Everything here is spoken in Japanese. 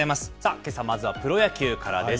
けさ、まずはプロ野球からです。